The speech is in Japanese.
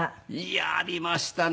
やりましたね。